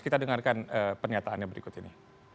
kita dengarkan pernyataannya berikut ini